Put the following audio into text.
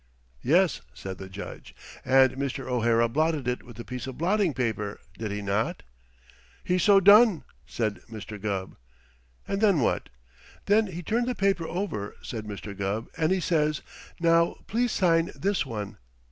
"Yes," said the Judge, "and Mr. O'Hara blotted it with a piece of blotting paper, did he not?" "He so done," said Mr. Gubb. "And then what?" "Then he turned the paper over," said Mr. Gubb, "and he says, 'Now, please sign this one.'